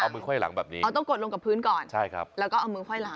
เอามือไขว้หลังแบบนี้เอาต้องกดลงกับพื้นก่อนใช่ครับแล้วก็เอามือไห้หลัง